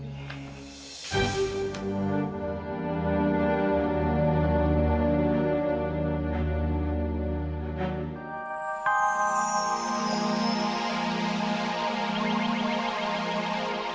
bagaimana kalau dikurung kurung